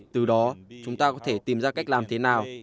từ đó chúng ta có thể tìm ra cách làm thế nào